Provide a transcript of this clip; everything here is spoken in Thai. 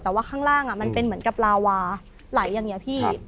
แต่ว่าข้างล่างมันเป็นเหมือนกับลาวาไหลอย่างนี้พี่